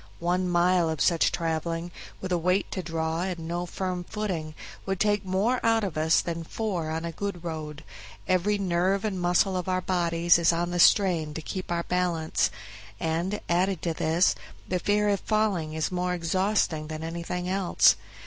One mile of such traveling, with a weight to draw and no firm footing, would take more out of us than four on a good road; every nerve and muscle of our bodies is on the strain to keep our balance; and, added to this, the fear of falling is more exhausting than anything else.